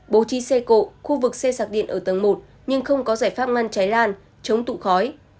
bố trí xe cộ khu vực xe sạc điện ở tầng một nhưng không có giải pháp ngăn cháy lan chống tụ khói